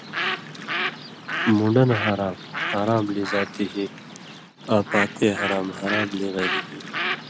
مُن٘ڈہۡ نہ حرام (حرام لذاتہِ) آں پاتےحرام (حرام لِغیرہِ)۔